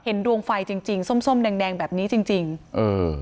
ดวงไฟจริงจริงส้มส้มแดงแดงแบบนี้จริงจริงเออ